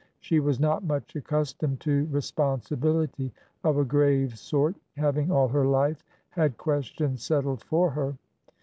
She was not much accustomed to responsibility of a grave sort, having all her life had questions settled for her.